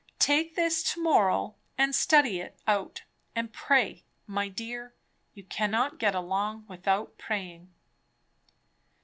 Take this to morrow and study it out, and pray, my dear. You cannot get along without praying."